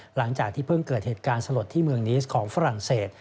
หลังจากที่เพิ่งเกิดเหตุการณ์สลดที่เมืองนิสของฝรั่งเศส